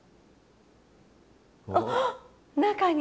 あっ中に。